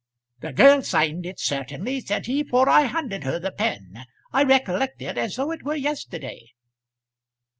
"The girl signed it certainly," said he, "for I handed her the pen. I recollect it, as though it were yesterday."